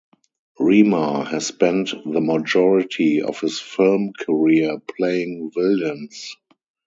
Remar has spent the majority of his film career playing villains.